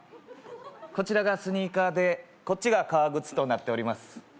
こちらがスニーカーでこっちが革靴となっております